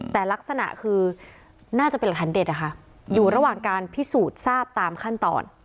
แต่ลักษณะคือน่าจะเป็นหลักฐานเด็ดนะคะอยู่ระหว่างการพิสูจน์ทราบตามขั้นตอน